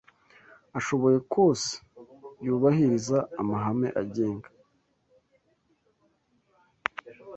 ashoboye kose yubahiriza amahame agenga